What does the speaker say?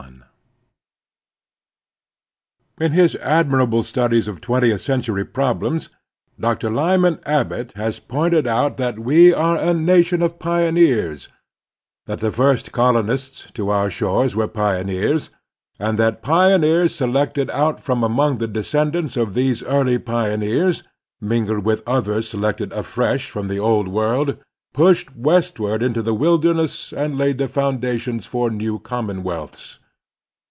NATIONAL DUTIES. IN his admirable series of studies of twentieth century problems, Dr. Lyman Abbott has pointed out that we are a nation of pioneers ; that the first colonists to our shores were pioneers, and that pioneers selected out from among the descendants of these eariy pioneers, mingled with others selected afresh from the Old World, pushed westward into the wilderness and laid the founda tions for new commonwealths.